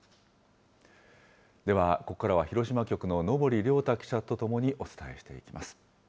では、ここからは広島局の昇遼太記者と共にお伝えしていきます。